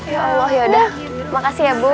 ya allah yaudah makasih ya bu